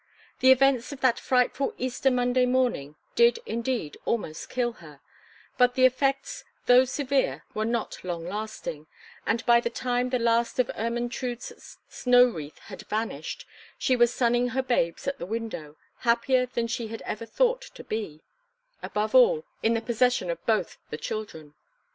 The events of that frightful Easter Monday morning did indeed almost kill her; but the effects, though severe, were not lasting; and by the time the last of Ermentrude's snow wreath had vanished, she was sunning her babes at the window, happier than she had ever thought to be—above all, in the possession of both the children.